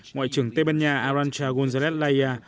ngoại trưởng tây ban nha arantxa gonzález leia